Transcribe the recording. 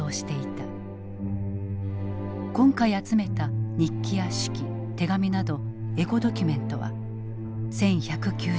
今回集めた日記や手記手紙などエゴドキュメントは１，１９０人分。